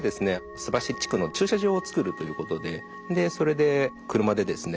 須走地区の駐車場を造るということでそれで車でですね